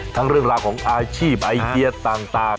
เรื่องราวของอาชีพไอเดียต่าง